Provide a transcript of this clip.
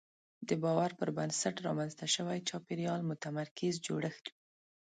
د باور پر بنسټ رامنځته شوی چاپېریال متمرکز جوړښت وي.